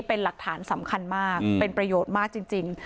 เป็นหลักฐานสำคัญมากเป็นประโยชน์มากจริง